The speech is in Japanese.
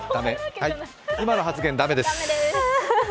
今の発言だめです！